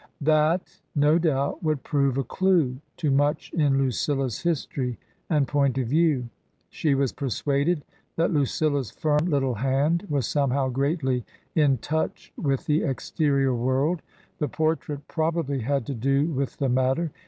That, no doubt, would prove a clue to much in Lucilla's history and point of view! She was persuaded that Lucilla's firm little hand was somehow greatly in touch with the exterior world ; the portrait probably had to do with the matter.